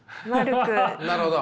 なるほど。